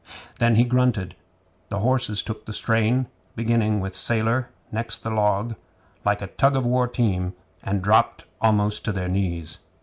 Then he grunted. The horses took the strain, beginning with Sailor next the log, like a tug of war team, and dropped almost to their knees.